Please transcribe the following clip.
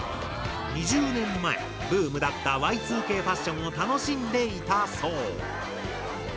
２０年前ブームだったＹ２Ｋファッションを楽しんでいたそう。